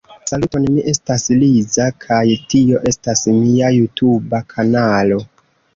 Saluton, mi estas Liza kaj tio estas mia jutuba kanalo.